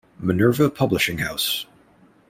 Minerva Publishing House.